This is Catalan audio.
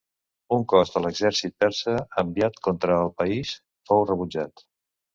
Un cos de l'exèrcit persa enviat contra el país, fou rebutjat.